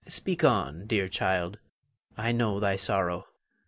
Her. Speak on, dear child. I know thy sorrow.